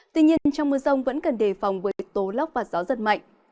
tuy nhiên trong mưa rông vẫn cần đề phòng với tố lóc và gió rất mạnh